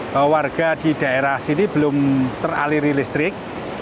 bahwa warga di daerah sini belum teraliri listrik